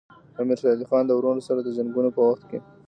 امیر شېر علي خان د وروڼو سره د جنګونو په وخت کې.